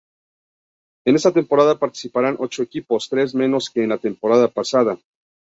En esta temporada participarán ocho equipos, tres menos que en la temporada pasada.